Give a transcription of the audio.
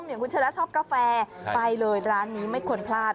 อย่างคุณชนะชอบกาแฟไปเลยร้านนี้ไม่ควรพลาด